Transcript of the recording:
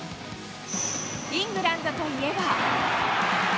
イングランドといえば。